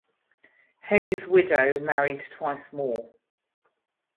Hay’s widow married twice more.